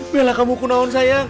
bella kamu kunahun sayang